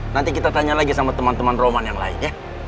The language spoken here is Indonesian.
nanti kita tanya lagi sama teman teman roman yang lain ya